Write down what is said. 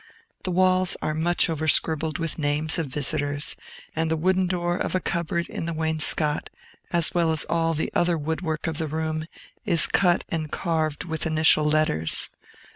The walls are much overscribbled with names of visitors, and the wooden door of a cupboard in the wainscot, as well as all the other wood work of the room, is cut and carved with initial letters.